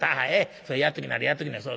それやっときなはれやっときなはれ。